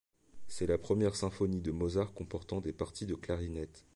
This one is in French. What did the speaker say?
C'est la première symphonie de Mozart comportant des parties de clarinettes.